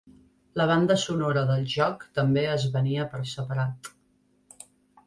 La banda sonora del joc també es venia per separat.